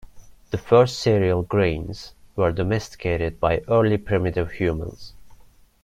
The first cereal grains were domesticated by early primitive humans.